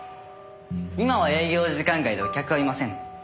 今は営業時間外でお客はいません。